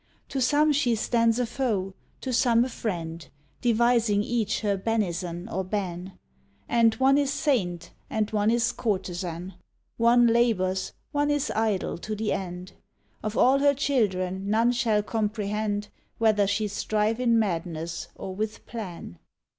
To some she stands a foe, to some a friend, Devising each her benison or ban; And one is saint, and one is courtesan; One labors, one is idle to the end. Of all her children none shall comprehend Whether she strive in madness or with plan.